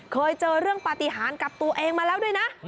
เคยเจอเรื่องปฏิหารกับตัวเองมาแล้วด้วยนะ